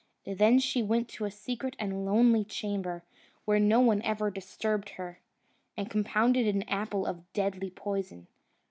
Then she went to a secret and lonely chamber, where no one ever disturbed her, and compounded an apple of deadly poison.